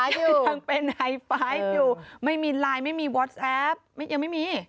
ยังเป็นไฮไฟฟ์อยู่ไม่มีไลน์ไม่มีวอสแอปยังไม่มี